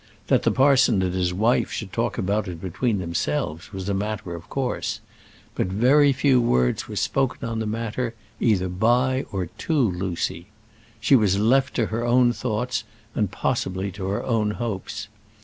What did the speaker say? That the parson and his wife should talk about it between themselves was a matter of course; but very few words were spoken on the matter either by or to Lucy. She was left to her own thoughts, and possibly to her own hopes.